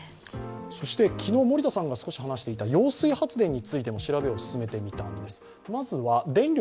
昨日森田さんが少し話していた揚水発電についても調べを進めてみたんです。